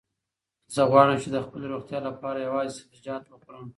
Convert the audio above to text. زه غواړم چې د خپلې روغتیا لپاره یوازې سبزیجات وخورم.